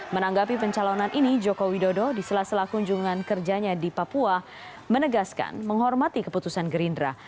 menanggapi pencalonan ini joko widodo di sela sela kunjungan kerjanya di papua menegaskan menghormati keputusan gerindra